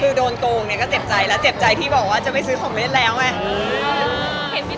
คือโดนโกงเนี่ยก็เจ็บใจแล้วเจ็บใจที่บอกว่าจะไปซื้อของเล่นแล้วไง